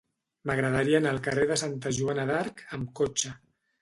M'agradaria anar al carrer de Santa Joana d'Arc amb cotxe.